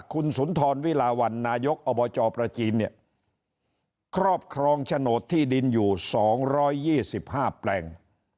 คุณสุนทรวิลาวันนายกอบจประจีนเนี่ยครอบครองโฉนดที่ดินอยู่๒๒๕แปลง